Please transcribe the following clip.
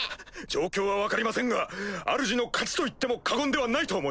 状況は分かりませんがあるじの勝ちと言っても過言ではないと思います！